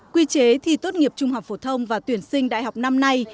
quy chế thi tốt nghiệp trung học phổ thông và tuyển sinh đại học năm nay